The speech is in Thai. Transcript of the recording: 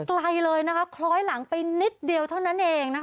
ไกลเลยนะคะคล้อยหลังไปนิดเดียวเท่านั้นเองนะคะ